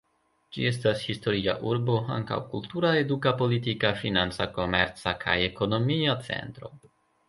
Ĝi estas historia urbo, ankaŭ kultura, eduka, politika, financa, komerca kaj ekonomia centro.